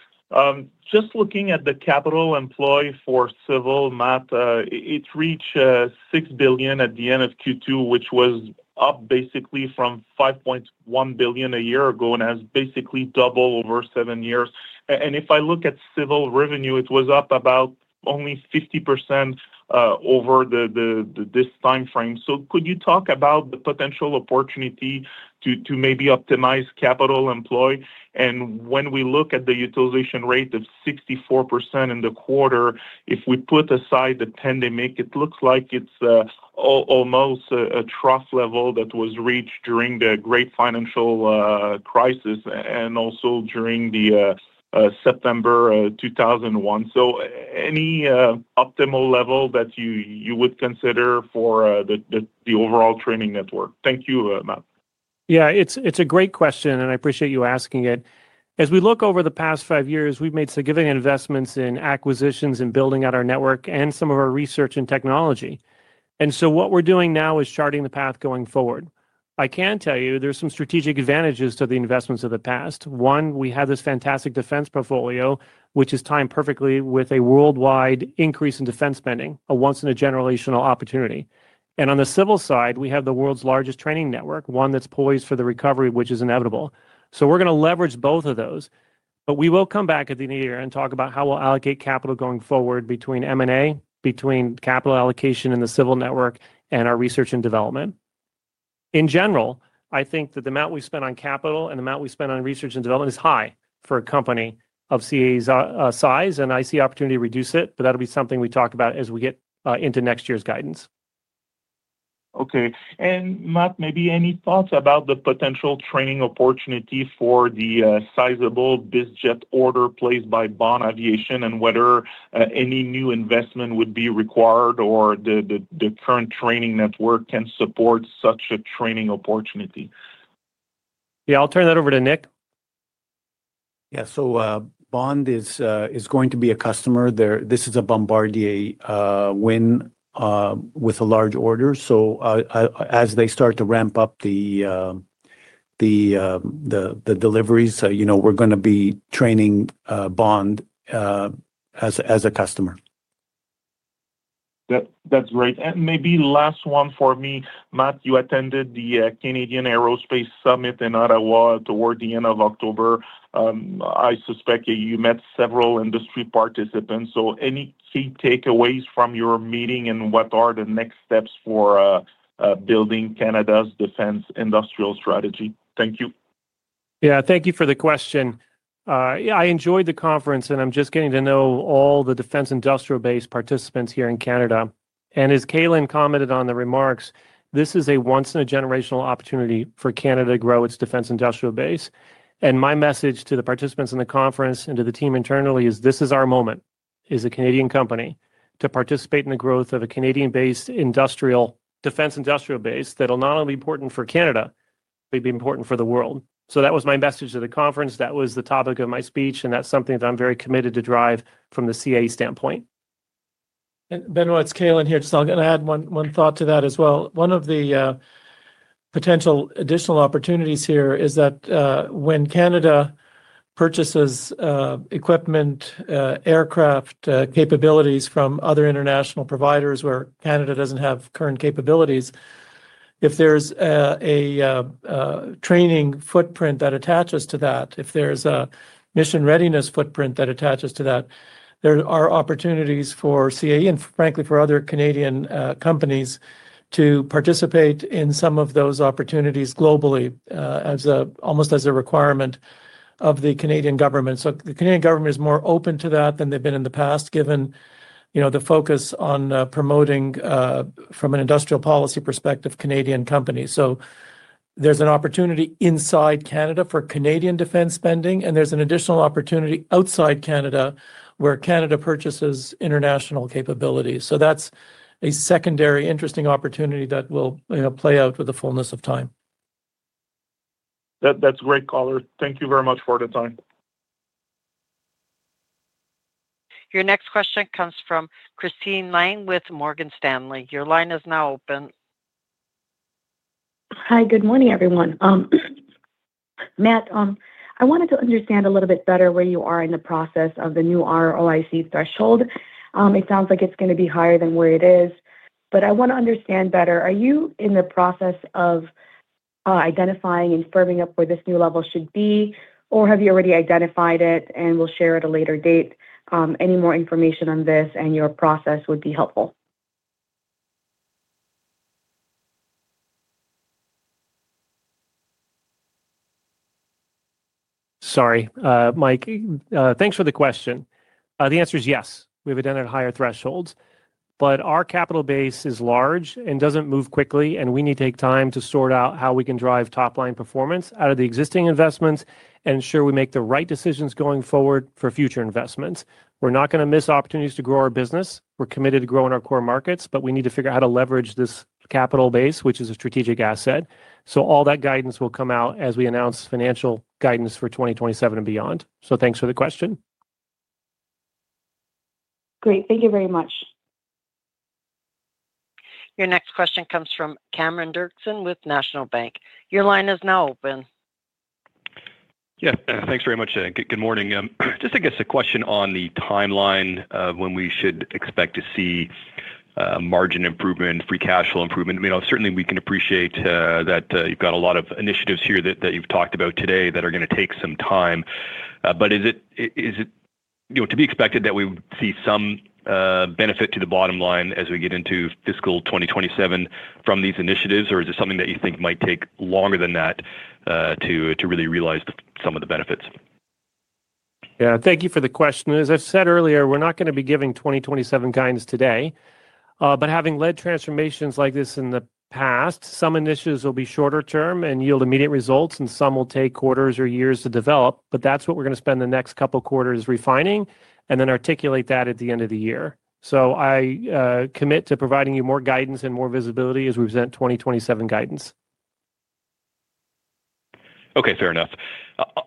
Just looking at the capital employed for civil, Matt, it reached $6 billion at the end of Q2, which was up basically from $5.1 billion a year ago and has basically doubled over seven years. And if I look at civil revenue, it was up about only 50% over this timeframe. So could you talk about the potential opportunity to maybe optimize capital employed? And when we look at the utilization rate of 64% in the quarter, if we put aside the pandemic, it looks like it's almost a trough level that was reached during the great financial crisis and also during September 2001. So any optimal level that you would consider for the overall training network? Thank you, Matt. Yeah. It's a great question, and I appreciate you asking it. As we look over the past five years, we've made significant investments in acquisitions and building out our network and some of our research and technology. What we're doing now is charting the path going forward. I can tell you there are some strategic advantages to the investments of the past. One, we have this fantastic defense portfolio, which is timed perfectly with a worldwide increase in defense spending, a once-in-a-generational opportunity. On the civil side, we have the world's largest training network, one that's poised for the recovery, which is inevitable. We're going to leverage both of those. We will come back at the end of the year and talk about how we'll allocate capital going forward between M&A, between capital allocation in the civil network, and our research and development. In general, I think that the amount we spend on capital and the amount we spend on research and development is high for a company of CAE's size. I see opportunity to reduce it, but that'll be something we talk about as we get into next year's guidance. Okay. Matt, maybe any thoughts about the potential training opportunity for the sizable BizJet order placed by Bond Aviation and whether any new investment would be required or the current training network can support such a training opportunity? Yeah. I'll turn that over to Nick. Yeah. Bond is going to be a customer. This is a Bombardier win with a large order. As they start to ramp up the deliveries, we're going to be training Bond as a customer. That's great. Maybe last one for me. Matt, you attended the Canadian Aerospace Summit in Ottawa toward the end of October. I suspect you met several industry participants. Any key takeaways from your meeting and what are the next steps for building Canada's defense industrial strategy? Thank you. Yeah. Thank you for the question. I enjoyed the conference, and I'm just getting to know all the defense industrial-based participants here in Canada. As Calin commented on the remarks, this is a once-in-a-generational opportunity for Canada to grow its defense industrial base. My message to the participants in the conference and to the team internally is this is our moment as a Canadian company to participate in the growth of a Canadian-based defense industrial base that will not only be important for Canada, but be important for the world. That was my message to the conference. That was the topic of my speech, and that's something that I'm very committed to drive from the CAE standpoint. Benoit, it's Calin here. I'm going to add one thought to that as well. One of the potential additional opportunities here is that when Canada purchases equipment, aircraft capabilities from other international providers where Canada doesn't have current capabilities, if there's a training footprint that attaches to that, if there's a mission readiness footprint that attaches to that, there are opportunities for CAE and, frankly, for other Canadian companies to participate in some of those opportunities globally almost as a requirement of the Canadian government. The Canadian government is more open to that than they've been in the past, given the focus on promoting, from an industrial policy perspective, Canadian companies. There is an opportunity inside Canada for Canadian defense spending, and there is an additional opportunity outside Canada where Canada purchases international capabilities. That is a secondary interesting opportunity that will play out with the fullness of time. That is great, Konark. Thank you very much for the time. Your next question comes from Christine Lang with Morgan Stanley. Your line is now open. Hi. Good morning, everyone. Matt, I wanted to understand a little bit better where you are in the process of the new ROIC threshold. It sounds like it is going to be higher than where it is. I want to understand better, are you in the process of identifying and firming up where this new level should be, or have you already identified it and will share at a later date? Any more information on this and your process would be helpful. Sorry, Matt. Thanks for the question. The answer is yes. We have identified higher thresholds. But our capital base is large and does not move quickly, and we need to take time to sort out how we can drive top-line performance out of the existing investments and ensure we make the right decisions going forward for future investments. We are not going to miss opportunities to grow our business. We are committed to growing our core markets, but we need to figure out how to leverage this capital base, which is a strategic asset. All that guidance will come out as we announce financial guidance for 2027 and beyond. Thanks for the question. Great. Thank you very much. Your next question comes from Cameron Doerksen with National Bank. Your line is now open. Yeah. Thanks very much. Good morning. Just, I guess, a question on the timeline of when we should expect to see margin improvement, free cash flow improvement. Certainly, we can appreciate that you've got a lot of initiatives here that you've talked about today that are going to take some time. Is it to be expected that we see some benefit to the bottom line as we get into fiscal 2027 from these initiatives, or is it something that you think might take longer than that to really realize some of the benefits? Yeah. Thank you for the question. As I've said earlier, we're not going to be giving 2027 guidance today. Having led transformations like this in the past, some initiatives will be shorter-term and yield immediate results, and some will take quarters or years to develop. That is what we are going to spend the next couple of quarters refining and then articulate that at the end of the year. I commit to providing you more guidance and more visibility as we present 2027 guidance. Okay. Fair enough.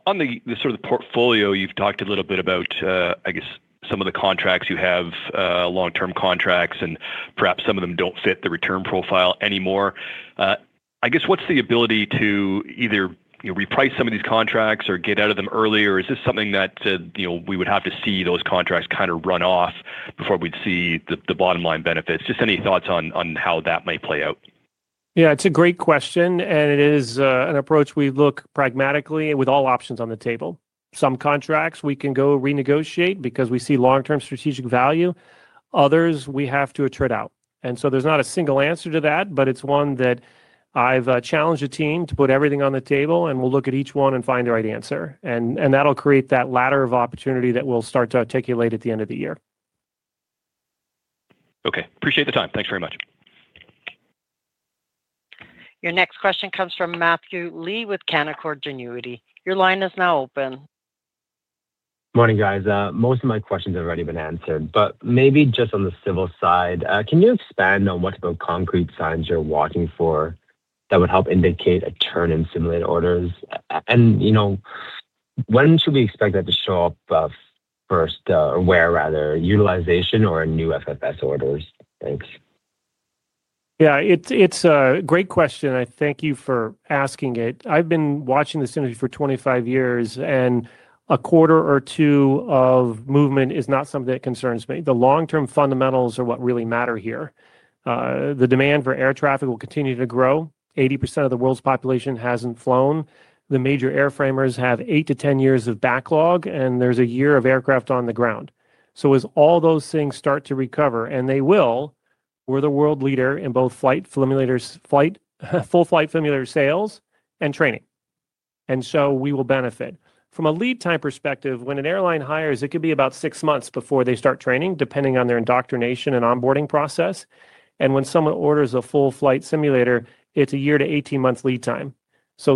On the sort of the portfolio, you have talked a little bit about, I guess, some of the contracts you have, long-term contracts, and perhaps some of them do not fit the return profile anymore. I guess, what is the ability to either reprice some of these contracts or get out of them early, or is this something that we would have to see those contracts kind of run off before we would see the bottom-line benefits? Just any thoughts on how that might play out? Yeah. It is a great question, and it is an approach we look pragmatically with all options on the table. Some contracts we can go renegotiate because we see long-term strategic value. Others, we have to chart out. There is not a single answer to that, but it is one that I have challenged the team to put everything on the table, and we will look at each one and find the right answer. That will create that ladder of opportunity that we will start to articulate at the end of the year. Okay. Appreciate the time. Thanks very much. Your next question comes from Matthew Lee with Canaccord Genuity. Your line is now open. Morning, guys. Most of my questions have already been answered, but maybe just on the civil side, can you expand on what type of concrete signs you are watching for that would help indicate a turn in simulated orders? When should we expect that to show up first, or where, rather, utilization or new full-flight simulator orders? Thanks. Yeah. It's a great question. I thank you for asking it. I've been watching this industry for 25 years, and a quarter or two of movement is not something that concerns me. The long-term fundamentals are what really matter here. The demand for air traffic will continue to grow. 80% of the world's population hasn't flown. The major airframers have 8-10 years of backlog, and there's a year of aircraft on the ground. As all those things start to recover, and they will, we're the world leader in both full-flight simulator sales and training. We will benefit. From a lead time perspective, when an airline hires, it could be about six months before they start training, depending on their indoctrination and onboarding process. When someone orders a full-flight simulator, it's a year to 18-month lead time.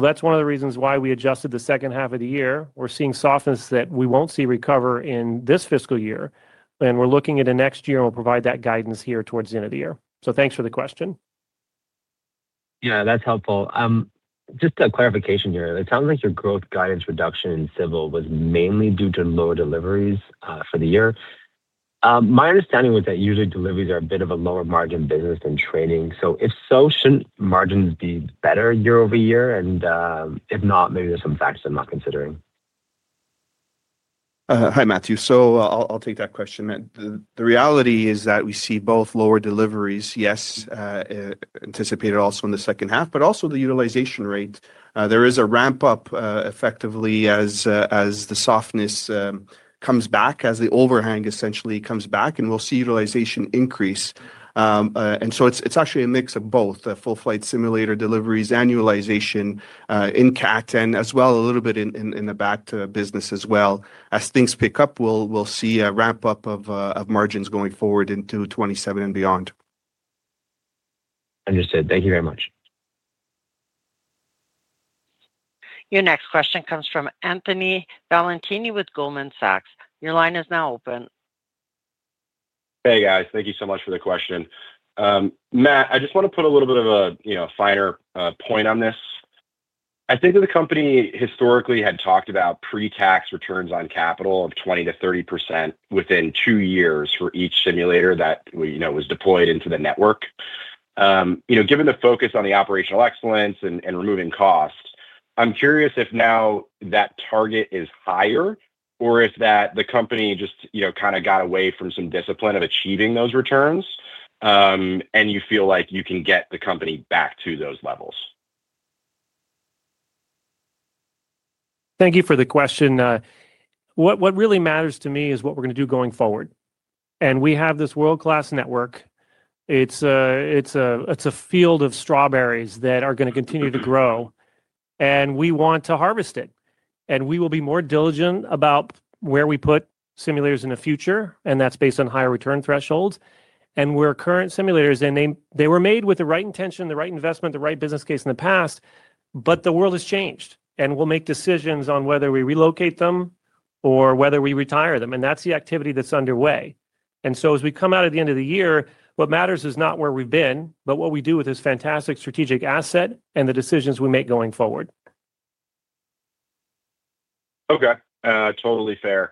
That's one of the reasons why we adjusted the second half of the year. We're seeing softness that we won't see recover in this fiscal year. We're looking at the next year, and we'll provide that guidance here towards the end of the year. Thanks for the question. Yeah, that's helpful. Just a clarification here. It sounds like your growth guidance reduction in civil was mainly due to lower deliveries for the year. My understanding was that usually deliveries are a bit of a lower-margin business than training. If so, shouldn't margins be better year-over-year? If not, maybe there's some factors I'm not considering. Hi, Matthew. I'll take that question, Matt. The reality is that we see both lower deliveries, yes, anticipated also in the second half, but also the utilization rate. There is a ramp-up effectively as the softness comes back, as the overhang essentially comes back, and we'll see utilization increase. It is actually a mix of both, full-flight simulator deliveries, annualization in CAT, and as well a little bit in the back-to-business as well. As things pick up, we'll see a ramp-up of margins going forward into 2027 and beyond. Understood. Thank you very much. Your next question comes from Anthony Valentini with Goldman Sachs. Your line is now open. Hey, guys. Thank you so much for the question. Matt, I just want to put a little bit of a finer point on this. I think that the company historically had talked about pre-tax returns on capital of 20%-30% within two years for each simulator that was deployed into the network. Given the focus on the operational excellence and removing costs, I'm curious if now that target is higher or if the company just kind of got away from some discipline of achieving those returns and you feel like you can get the company back to those levels. Thank you for the question. What really matters to me is what we're going to do going forward. We have this world-class network. It's a field of strawberries that are going to continue to grow, and we want to harvest it. We will be more diligent about where we put simulators in the future, and that's based on higher return thresholds. Our current simulators, they were made with the right intention, the right investment, the right business case in the past, but the world has changed. We will make decisions on whether we relocate them or whether we retire them. That is the activity that is underway. As we come out at the end of the year, what matters is not where we have been, but what we do with this fantastic strategic asset and the decisions we make going forward. Okay. Totally fair.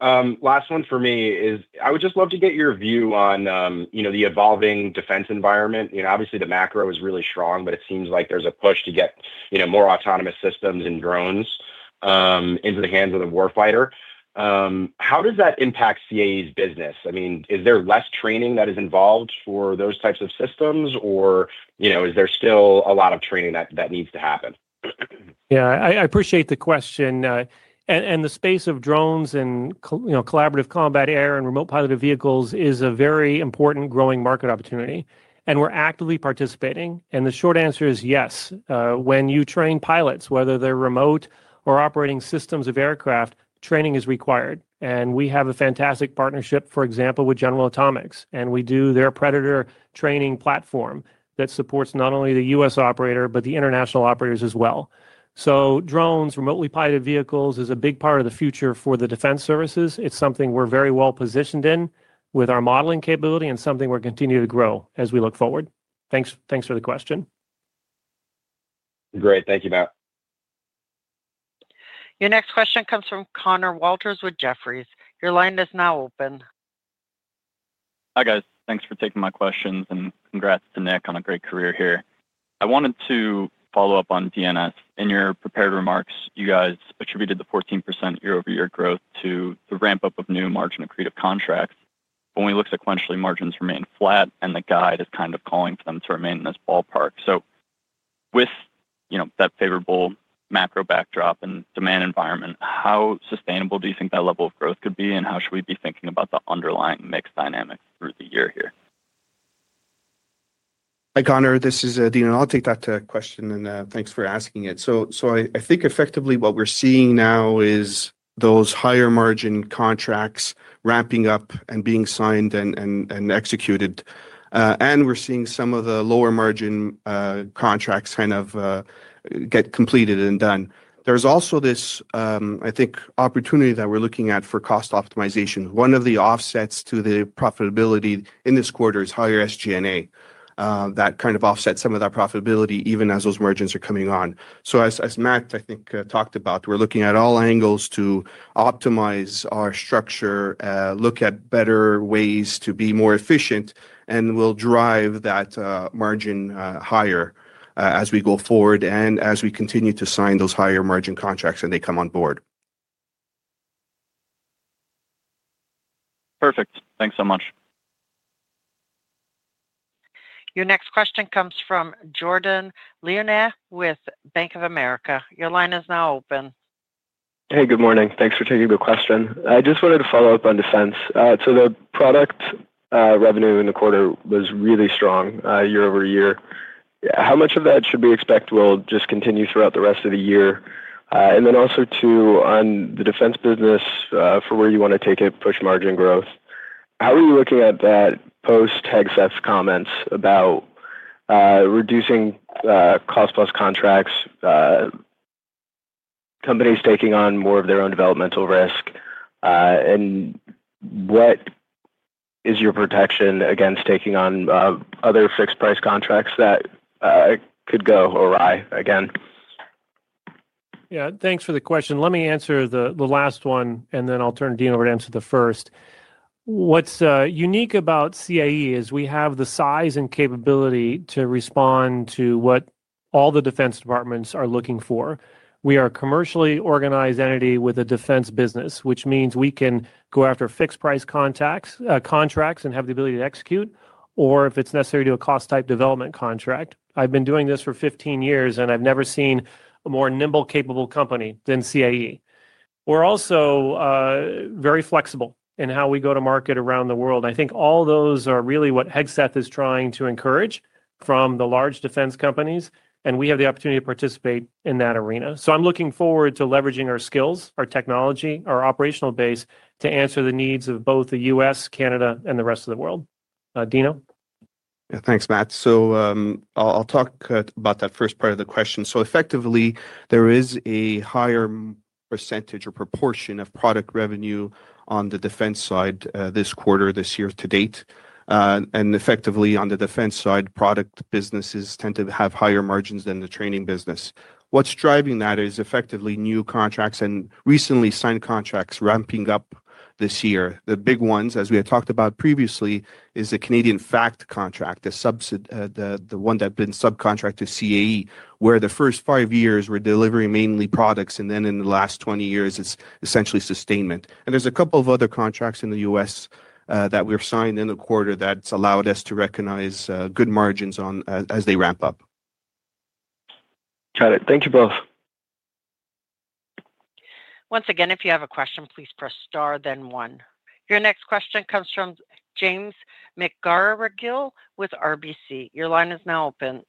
Last one for me is I would just love to get your view on the evolving defense environment. Obviously, the macro is really strong, but it seems like there is a push to get more autonomous systems and drones into the hands of the warfighter. How does that impact CAE's business? I mean, is there less training that is involved for those types of systems, or is there still a lot of training that needs to happen? Yeah. I appreciate the question. The space of drones and collaborative combat air and remote piloted vehicles is a very important growing market opportunity. We are actively participating. The short answer is yes. When you train pilots, whether they are remote or operating systems of aircraft, training is required. We have a fantastic partnership, for example, with General Atomics. We do their Predator training platform that supports not only the U.S. operator, but the international operators as well. Drones, remotely piloted vehicles, is a big part of the future for the defense services. It is something we are very well positioned in with our modeling capability and something we are continuing to grow as we look forward. Thanks for the question. Great. Thank you, Matt. Your next question comes from Conor Walters with Jefferies. Your line is now open. Hi, guys. Thanks for taking my questions, and congrats to Nick on a great career here. I wanted to follow up on DNS. In your prepared remarks, you guys attributed the 14% year-over-year growth to the ramp-up of new margin accretive contracts. When we look sequentially, margins remain flat, and the guide is kind of calling for them to remain in this ballpark. With that favorable macro backdrop and demand environment, how sustainable do you think that level of growth could be, and how should we be thinking about the underlying mixed dynamics through the year here? Hi, Connor. This is Constantino. I'll take that question, and thanks for asking it. I think effectively what we're seeing now is those higher-margin contracts ramping up and being signed and executed. We're seeing some of the lower-margin contracts kind of get completed and done. There's also this, I think, opportunity that we're looking at for cost optimization. One of the offsets to the profitability in this quarter is higher SG&A that kind of offsets some of that profitability even as those margins are coming on. As Matt, I think, talked about, we're looking at all angles to optimize our structure, look at better ways to be more efficient, and we'll drive that margin higher as we go forward and as we continue to sign those higher-margin contracts and they come on board. Perfect. Thanks so much. Your next question comes from Jordan Lyonnais with Bank of America. Your line is now open. Hey, good morning. Thanks for taking the question. I just wanted to follow up on defense. The product revenue in the quarter was really strong year-over-year. How much of that should we expect will just continue throughout the rest of the year? Also, on the defense business for where you want to take it, push margin growth. How are you looking at that post-TAGCEF comments about reducing cost-plus contracts, companies taking on more of their own developmental risk? What is your protection against taking on other fixed-price contracts that could go awry again? Yeah. Thanks for the question. Let me answer the last one, and then I'll turn Constantino over to answer the first. What's unique about CAE is we have the size and capability to respond to what all the defense departments are looking for. We are a commercially organized entity with a defense business, which means we can go after fixed-price contracts and have the ability to execute, or if it's necessary to do a cost-type development contract. I've been doing this for 15 years, and I've never seen a more nimble, capable company than CAE. We're also very flexible in how we go to market around the world. I think all those are really what Hegseth is trying to encourage from the large defense companies, and we have the opportunity to participate in that arena. I'm looking forward to leveraging our skills, our technology, our operational base to answer the needs of both the U.S., Canada, and the rest of the world. Constantino. Yeah. Thanks, Matt. I'll talk about that first part of the question. Effectively, there is a higher percentage or proportion of product revenue on the defense side this quarter, this year to date. Effectively, on the defense side, product businesses tend to have higher margins than the training business. What's driving that is effectively new contracts and recently signed contracts ramping up this year. The big ones, as we had talked about previously, is the Canadian FACT contract, the one that's been subcontracted to CAE, where the first five years we're delivering mainly products, and then in the last 20 years, it's essentially sustainment. There's a couple of other contracts in the U.S. that we've signed in the quarter that's allowed us to recognize good margins as they ramp up. Got it. Thank you both. Once again, if you have a question, please press star, then one. Your next question comes from James McGarragle with RBC. Your line is now open.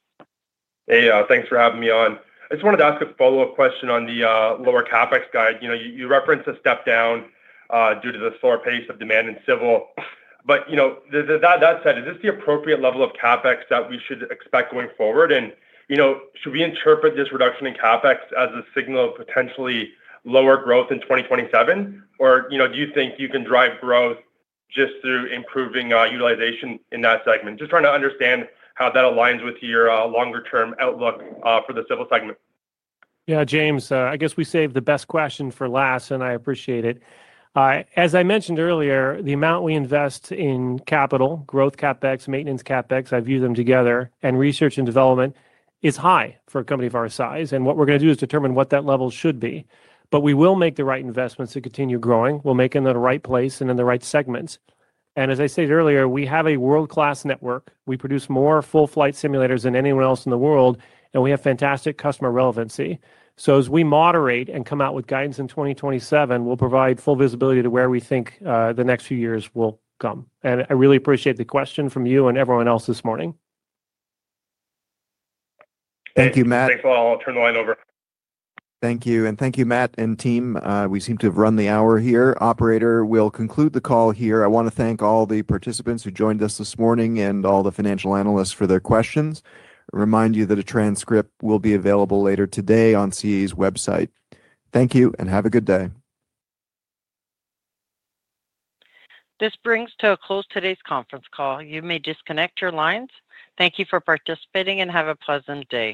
Hey, thanks for having me on. I just wanted to ask a follow-up question on the lower CapEx guide. You referenced a step down due to the slower pace of demand in civil. That said, is this the appropriate level of CapEx that we should expect going forward? Should we interpret this reduction in CapEx as a signal of potentially lower growth in 2027? Do you think you can drive growth just through improving utilization in that segment? Just trying to understand how that aligns with your longer-term outlook for the civil segment. Yeah, James, I guess we saved the best question for last, and I appreciate it. As I mentioned earlier, the amount we invest in capital, growth CapEx, maintenance CapEx, I view them together, and research and development is high for a company of our size. What we are going to do is determine what that level should be. We will make the right investments to continue growing. We will make it in the right place and in the right segments. As I stated earlier, we have a world-class network. We produce more full-flight simulators than anyone else in the world, and we have fantastic customer relevancy. As we moderate and come out with guidance in 2027, we will provide full visibility to where we think the next few years will come. I really appreciate the question from you and everyone else this morning. Thank you, Matt. Thanks all. I will turn the line over. Thank you. Thank you, Matt and team. We seem to have run the hour here. Operator, we will conclude the call here. I want to thank all the participants who joined us this morning and all the financial analysts for their questions. I remind you that a transcript will be available later today on CAE's website. Thank you, and have a good day. This brings to a close today's conference call. You may disconnect your lines. Thank you for participating and have a pleasant day.